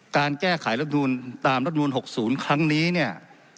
การแก้ไขรัฐนูนตามรัฐนูนหกศูนย์ครั้งนี้เนี่ย